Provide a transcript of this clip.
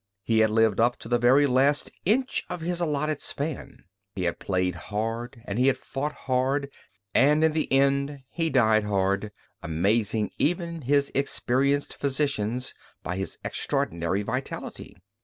He had lived up to the very last inch of his allotted span. He had played hard and he had fought hard and in the end he died hard, amazing even his experienced physicians by his extraordinary vitality.